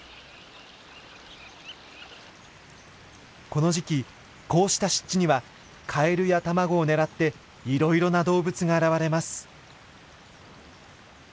この時期こうした湿地にはカエルや卵を狙っていろいろな動物が現れます。